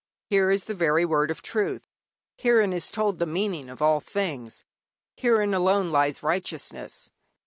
Here is the very word of truth, herein is told the meaning of all things, herein alone lies righteousness.